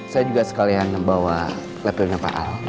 saya juga sekalian membawa lapelnya pak al